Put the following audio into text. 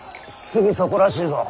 すぐそこらしいぞ。